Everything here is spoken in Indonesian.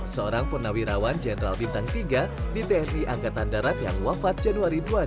seorang purnawirawan jenderal bintang tiga di tni angkatan darat yang wafat januari dua ribu dua puluh